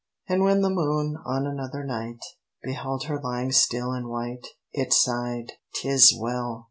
And when the moon, on another night, Beheld her lying still and white, It sighed, "'Tis well!